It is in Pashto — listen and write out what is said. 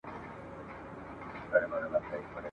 چي یاران ورباندي تللي له ضروره !.